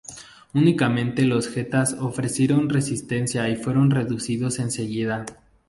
Únicamente los getas ofrecieron resistencia y fueron reducidos enseguida.